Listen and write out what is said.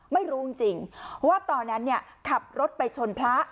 ไม่รู้จริงจริงว่าตอนนั้นเนี้ยขับรถไปชนพระ